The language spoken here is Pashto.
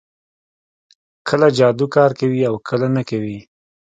کله جادو کار کوي او کله نه کوي